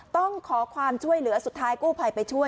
ต้องขอความช่วยเหลือสุดท้ายกู้ภัยไปช่วย